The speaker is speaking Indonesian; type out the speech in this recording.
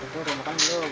bapak udah makan belum